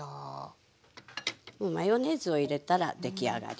マヨネーズを入れたら出来上がり。